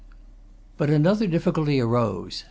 But another difficulty arose.